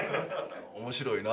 面白いな。